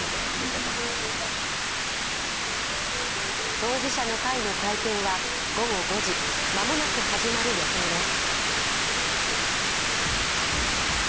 当事者の会の会見は午後５時、間もなく始まる予定です。